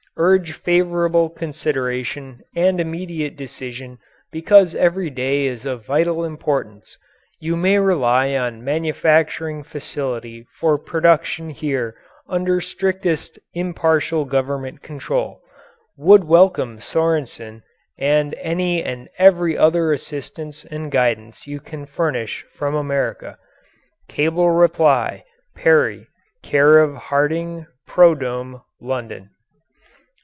Urge favorable consideration and immediate decision because every day is of vital importance. You may rely on manufacturing facility for production here under strictest impartial Government control. Would welcome Sorensen and any and every other assistance and guidance you can furnish from America. Cable reply, Perry, Care of Harding "Prodome," London.